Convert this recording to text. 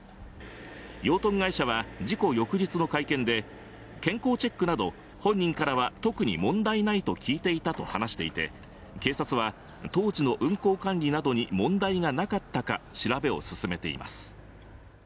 養豚会社は事故翌日の会見で健康チェックなど本人からは特に問題ないと聞いていたと話していて、警察は当時の運行管理などに問題がなかったか調べを進めています。